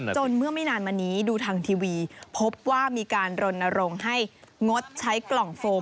เมื่อไม่นานมานี้ดูทางทีวีพบว่ามีการรณรงค์ให้งดใช้กล่องโฟม